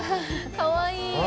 かわいい！